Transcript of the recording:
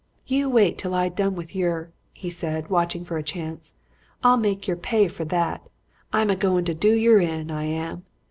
"'You wait till I done with yer,' said he, watching for a chance. 'I'll make yer pay for that. I'm a goin' to do yer in, I am.